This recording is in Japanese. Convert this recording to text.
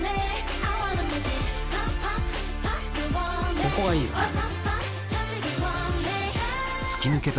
「ここがいいよね」